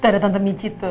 tadah tonton michi tuh